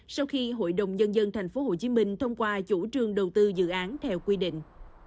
sau khi hội đồng nhân dân tp hcm thông qua chủ trương đầu tư dự án theo quy định